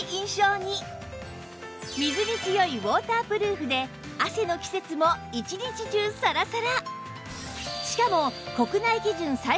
水に強いウォータープルーフで汗の季節も一日中さらさら！